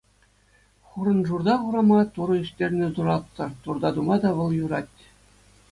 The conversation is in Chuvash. Хурӑншурта хурама —турӑ ӳстернӗ туратсӑр, турта тума вӑл юрать.